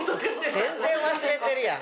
全然忘れてるやん。